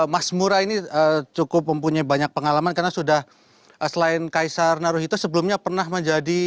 mas mura ini cukup mempunyai banyak pengalaman karena sudah selain kaisar naruhito sebelumnya pernah menjadi